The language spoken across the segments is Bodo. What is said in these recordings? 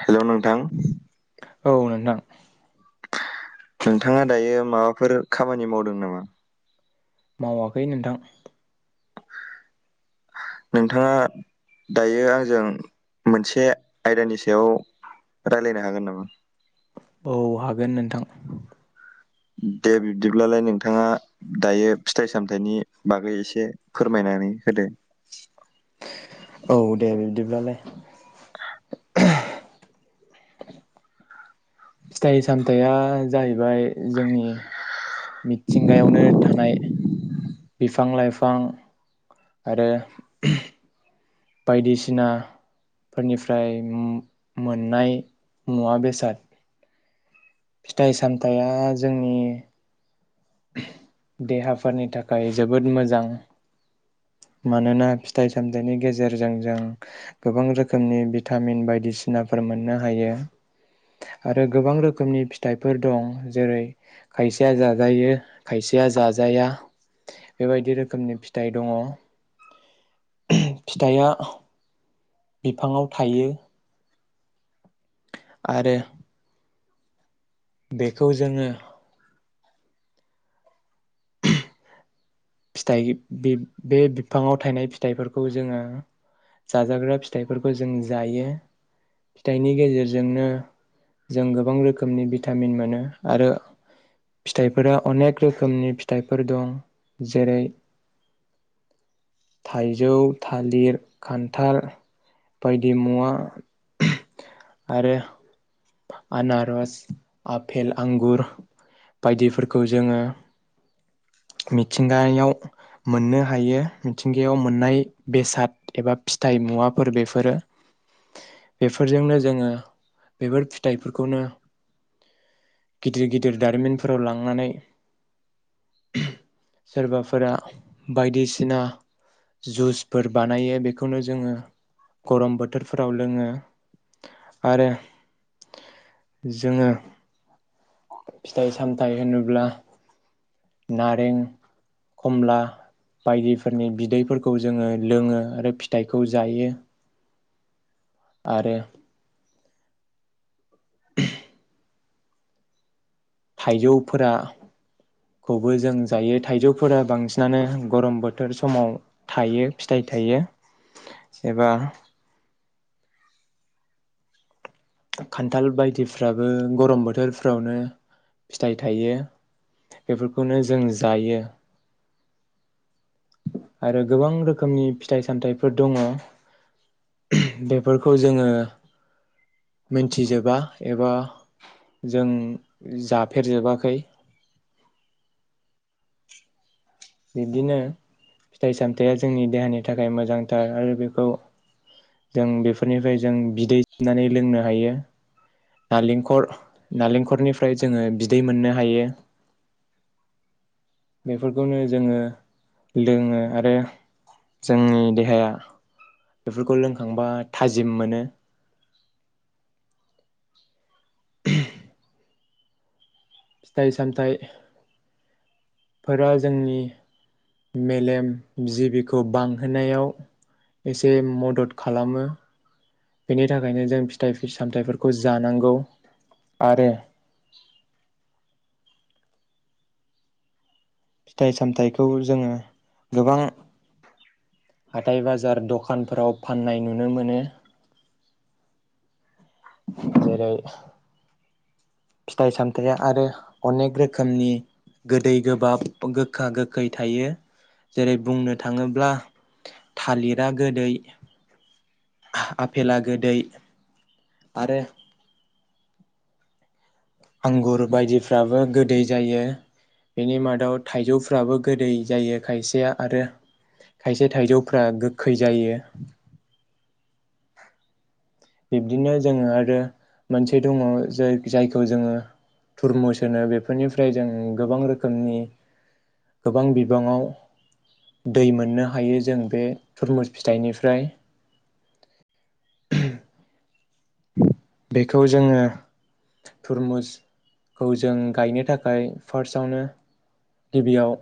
हेलौ नोंथां औ नोंथां नोंथाङा दायो माबाफोर खामानि मावदों नामा? मावाखै नोंथां। नोंथाङा दायो आंजों मोनसे आयदानि सायाव रायज्लायनो हागोन नामा? औ हागोन नोंथां। दे बिब्दिब्लालाय नोंथाङा दायो फिथाइ सामथायाइनि बागै एसे फोरमायनानै होदो। औ दे बिदिब्लालाय। फिथाइ सामथाइया जाहैबाय जोंनि मिथिंगायावनो थानाय बिफां लाइफां आरो बायदिसिना फोरनिफ्राय मो-मोननाय मुवा बेसाद फिथाइ सामथाइया जोंनि देहाफोरनि थाखाय जोबोद मोजां। मानोना फिथाइ सामथाइनि गेजेरजों जों गोबां रोखोमनि भिटामिन बायदिसिनाफोर मोननो हायो। आरो गोबां रोखोमनि फिथाइफोर दं जेरै खायसेया जाजायो खायसेया जाजाया बेबायदि रोखोमनि फिथाइ दङ। फिथाइया बिफाङाव थायो। आरो बेखौ जोङो फिथाइ बे- बे बिफाङाव थायनाय फिथाइफोरखौ जोङो जाजाग्रा फिथाइफोरखौ जों जायो फिथाइनि गेजेरजोंनो जों गोबां रोखोमनि भिटामिन मोनो आरो फिथाइफोरा अनेक रोखोमनि फिथाइफोर दं जेरै थाइजौ, थालिर, खान्थाल बायदि मुवा आरो आनारस, आफेल, आंगुर बायदिफोरखौ जोङो मिथिंगायाव मोननो हायो मिथिंगायाव मोननाय बेसाद एबा फिथाइ मुवा फोर बेफोरो बेफोरजोंनो जोङो बेफोर फिथाइफोरखौनो गिदिर गिदिर दारिमिनफोराव लांनानै सोरबाफोरा बायदिसिना जुइसफोर बानायो बेखौनो जोङो गरम बोथोरफोराव लोङो। आरो जोङो फिथाइ सामथाइ होनोब्ला नारें खमला बायदिफोरनि बिदैफोरखौ जोङो लोङो आरो फिथाइखौ जायो। आरो [unintelligible] थाइजौफोरा खौबो जों जायो थाइजौफोरा बांसिनानो गरम बोथोर समाव थायो फिथाइ थायो एबा खान्थाल बायदिफ्राबो गरम बोथोरफ्रावनो फिथाइ थायो बेफोरखौनो जों जायो आरो गोबां रोखोमनि फिथाइ सामथाइफोर दङ बेफोरखौ जोङो मिथिजोबा एबा जों जाफेरजोबाखै बिब्दिनो फिथाइ सामथायाइया जोंनि देहानि थाखाय मोजांथार आरो बेखौ जों बेफोरनिफ्राय जों बिदैनानै लोंनो हायो नारेंखर नालेंखरनिफ्राय जोङो बिदै मोननो हायो बेफोरखौनो जोङो लोङो आरो जोंनि देहाया बेफोरखौ लोंखांबा थाजिम मोनो। [inaudible] फिथाइ सामथाइ फोर जोंनि मेलेम जिबिखौ बांहोनायाव एसे मदद खालामो बेनि थाखायनो जों फिथाइ सामथाइफोरखौ जानांगौ आरो फिथाइ सामथाइखौ जोङो गोबां हाथाइ बाजार दखानफोराव फाननाय नुनो मोनो। जेरै फिथाइ सामथायाइया आरो अनेक रोखोमनि गोदै गोबाब गोखा गोखै थायो जेरै बुंनो थाङोब्ला थालिरा गोदै आफेला गोदै आरो आंगुर बायदिफ्राबो गोदै जायो। बेनि मादाव थाइजौफ्राबो गोदै जायो खायसेया आरो थायसे थाइजौफ्रा गोखै जायो। [inaudible] बिब्दिनो जोङो आरो मोनसे दङ जाय जायखौ जोङो थुरमु सोनो बेफोरनिफ्राय जों गोबां रोखोमनि गोबां बिबाङाव दै मोननो हायो जों बे थुरमुस फिथाइनिफ्राय बेखौ जोङो थुरमुसखौ जों गायनो थाखाय फार्स्टआवनो गिबियाव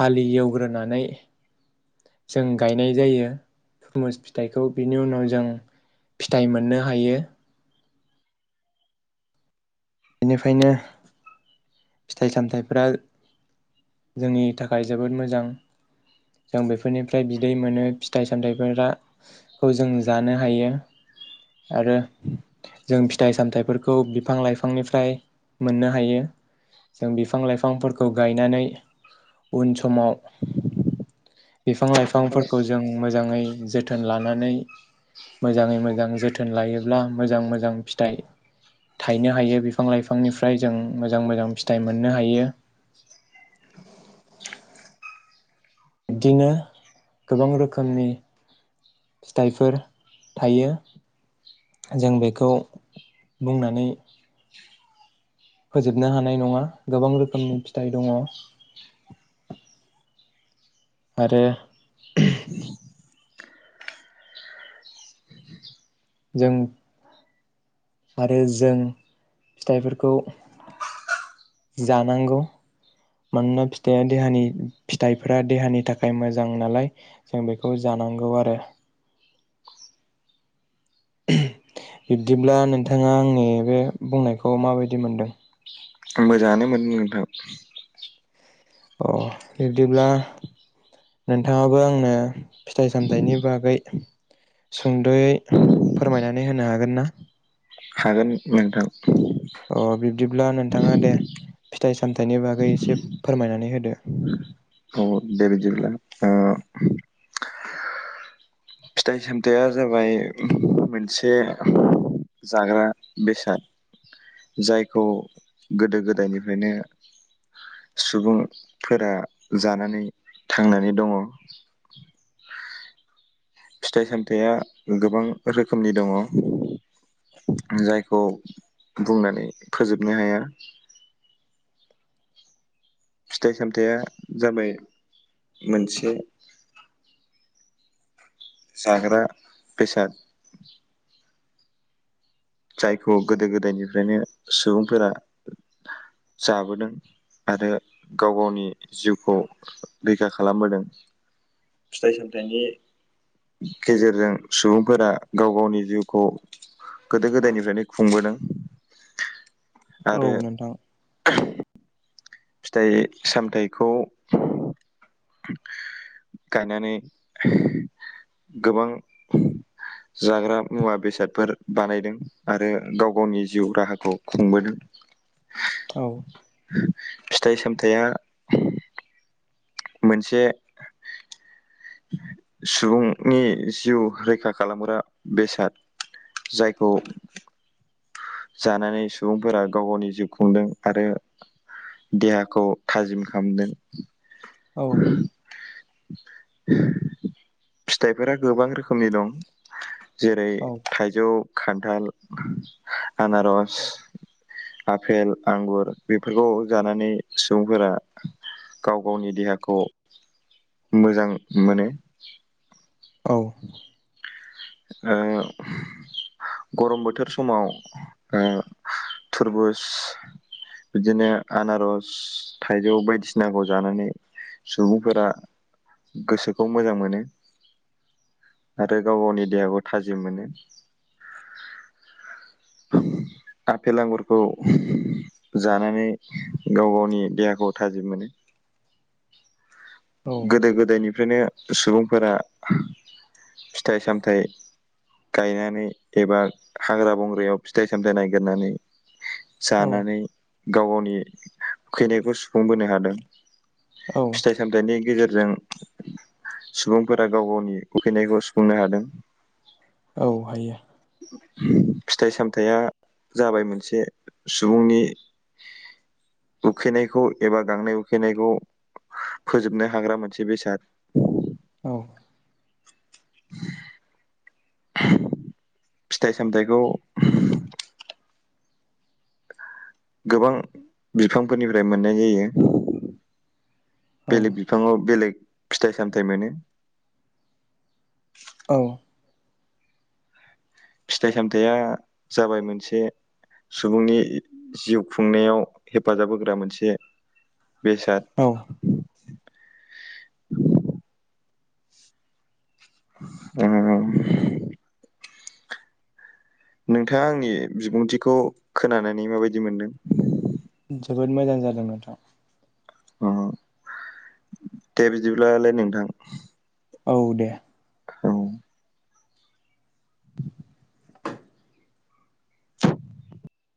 हालि एवग्रोनानै जों गायनाय जायो थुरमुस फिथाइखौ बिनि उनाव जों फिथाइ मोननो हायो। बेनिफायनो फिथाइ सामथाइफोरा जोंनि थाखाय जोबोद मोजां जों बेफोरनिफ्राय बिदै मोनो फिथाइ सामथाइफोरा खौ जों जानो हायो आरो जों फिथाइ सामथायाइफोरखौ बिफां लाइफांनिफ्राय मोननो हायो। जों बिफां लाइफांफोरखौ गायनानै उन समाव बिफां लाइफांफोरखौ जों मोजाङै जोथोन लानानै मोजाङै मोजां जोथोन लायोब्ला मोजां मोजां फिथाइ थायनो हायो बिफां लाइफांनिफ्राय जों मोजां मोजां फिथाइ मोननो हायो। बिदिनो गोबां रोखोमनि फिथाइफोर थायो जों बेखौ बुंनानै फोजोबनो हानाय नङा गोबां रोखोमनि फिथाइ दङ आरो जों आरो जों फिथाइफोरखौ जानांगौ मानोना फिथाइया देहानि फिथाइफोरा देहानि थाखाय मोजां नालाय जों बेखौ जानांगौ आरो बिब्दिब्ला नोंथाङा आंनि बे बुंनायखौ माबायदि मोनदों? मोजाङानो मोनो नोंथां। अ बिबदिब्ला नोंथाङाबो आंनो फिथाइ सामथाइनि बागै सुंद'यै फोरमायनानै होनो हागोन ना? हागोन नोंथां। अ बिब्दिब्ला नोंथाङा दे फिथाइ सामथायाइनि बागै एसे फोरमायनानै होदो औ दे बिदिब्ला ओ फिथाइ सामथायाइा जाबाय मोनसे जाग्रा बेसाद जायखौ गोदो गोदायनिफ्रायनो सुबुंफोरा जानानै थांनानै दङ फिथाइ सामथाइया गोबां रोखोमनि दङ जायखौ बुंनानै फोजोबनो हाया फिथाइ सामथाया जाबाय मोनसे जाग्रा बेसाद जायखौ गोदो गोदायनिफ्रायनो सुबुंफोरा जाबोदों आरो गाव गावनि जिउखौ रैखा खालामबोदों फिथाइ सामथाइनि गेजेरजों सुबुंफोरा गाव गावनि जिउखौ गोदो गोदायनिफ्रायनो खुंबोदों, औ आरो नोंथां फिथाइ सामथायाइखौ गायनानै गोबां जाग्रा मुवा बेसादफोर बानायदों आरो गाव गावनि जिउ राहाखौ खुंबोदों। [unintelligible] औ। फिथाइ सामथायाइया मोनसे सुबुंनि जिउ रैखा खालामग्रा बेसाद। जायखौ जानानै सुबुंफोरा गाव गावनि जिउ खुंदों, आरो देहाखौ थाजिम खालामदों। औ। [unintelligible] फिथाइफोरा गोबां रोखोमनि दं। जेरै औ थाइजौ, खान्थाल, आनारस। आफेल आंगुर बेफोरखौ जानानै सुबुंफोरा गाव गावनि देहाखौ खौ मोजां मोनो। औ। [unintelligible] गरम बोथोर समाव थुरबुज बिदिनो आनारस थाइजौ बायदिसिनाखौ जानानै सुबुंफोरा गोसोखौ मोजां मोनो। आरो गाव गावनि देहाखौो थाजिम मोनो। [unintelligible] आफेल आंगुरखौ जानानै गाव गावनि देहाखौ थाजिम मोनो। औ गोदो गोदायनिफ्रायनो सुबुंफोरा फिथाइ सामथायाइ गायनानै एबा हाग्रा बंग्रायाव फिथाइ सामथायाइ नागिरनानै जानानै गाव गावनि उखैनायखौ सुफुंबोनो हादों। औ। सामथायनि गेजेरजों सुबुंफोरा गाव गावनि उखैनायखौ सुफुंनो हादों। औ हायो। फिथाइ सामथायाइया जाबाय मोनसे सुबुंनि उखैनायखौ एबा गांनाय उखैनायखौ फोजोबनो हाग्रा मोनसे बेसाद। औ [unintelligible] फिथाइ सामथाइखौ गोबां बिफांफोरनिफ्राय मोननाय जायो। औ बेलेग बिफाङाव बेलेग फिथाइ सामथाइ मोनो। औ। फिथाइ सामथाइया जाबाय मोनसे सुबुंनि जिउ खुंनायाव हेफाजाब होग्रा मोनसे बेसाद। औ। [unintelligible] नोंथाङा आंनि बिबुंथिखौ खोनानानै माबायदि मोनदों? जोबोद मोजां जादों नोंथां। अह दे बिदिब्लालाय नोंथां। औ दे। औ।